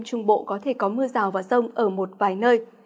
trung bộ có thể có mưa rào và rông ở một vài nơi